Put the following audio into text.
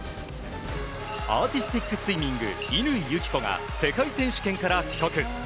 アーティスティックスイミング乾友紀子が世界選手権から帰国。